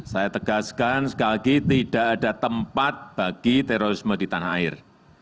saya tegaskan sekali lagi tidak ada tempat bagi terorisme di tanah air